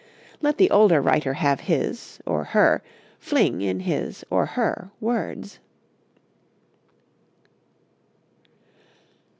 Let the older writer have his, or her, fling in his, or her, words.